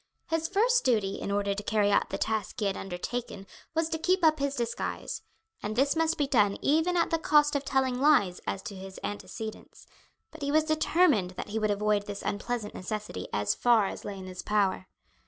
His first duty in order to carry out the task he had undertaken was to keep up his disguise, and this must be done even at the cost of telling lies as to his antecedents; but he was determined that he would avoid this unpleasant necessity as far as lay in his power.